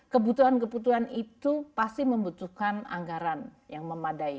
kebutuhan kebutuhan itu pasti membutuhkan anggaran yang memadai